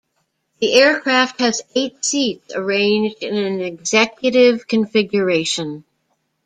The aircraft has eight seats arranged in an executive configuration.